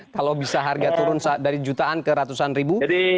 kalau bisa harga turun dari jutaan ke ratusan ribu